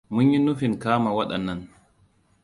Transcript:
Munyi nufin kama waɗannan.